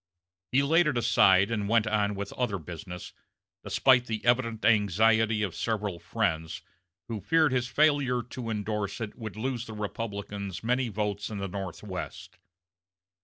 He laid it aside and went on with other business, despite the evident anxiety of several friends, who feared his failure to indorse it would lose the Republicans many votes in the Northwest.